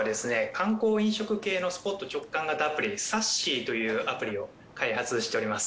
観光飲食系のスポット直感型アプリＳａｓｓｙというアプリを開発しております。